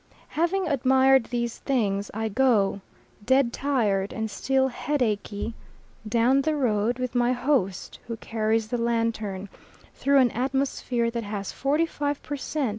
Having admired these things, I go, dead tired and still headachy, down the road with my host who carries the lantern, through an atmosphere that has 45 per cent.